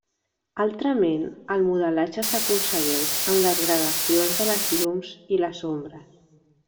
Altrament, el modelatge s'aconsegueix amb les gradacions de les llums i les ombres.